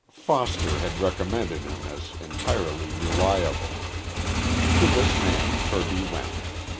Foster had recommended him as entirely reliable. To this man Kirby went.